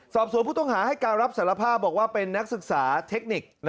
สอบสวนผู้ต้องหาให้การรับสารภาพบอกว่าเป็นนักศึกษาเทคนิค